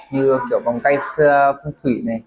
như kiểu vòng tay phong thủy này